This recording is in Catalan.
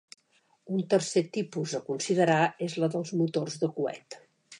Un tercer tipus a considerar és la dels motors de coet.